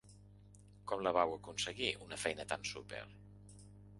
Com la vau aconseguir, una feina tan súper?